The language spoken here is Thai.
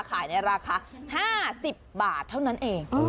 ขายในราคา๕๐บาทเท่านั้นเอง